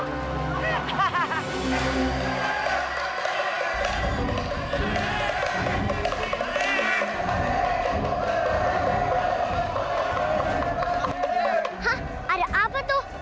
hah ada apa tuh